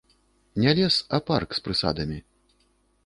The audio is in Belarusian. Не лес, а парк з прысадамі.